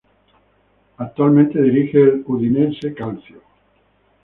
Actualmente dirige al Udinese Calcio.